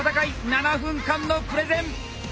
７分間のプレゼン。